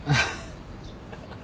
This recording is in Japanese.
ハハハハ。